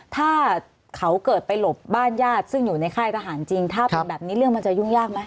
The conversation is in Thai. ถ้าเขาเกิดไปหลบบ้านญาติซึ่งอยู่ในค่ายทหารจริงถ้าเป็นแบบนี้เรื่องมันจะยุ่งยากไหม